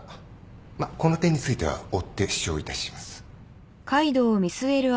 まっこの点については追って主張いたします。